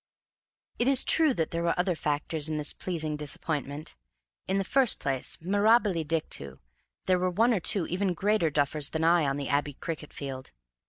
It is true that there were other factors in this pleasing disappointment. In the first place, mirabile dictu, there were one or two even greater duffers than I on the Abbey cricket field.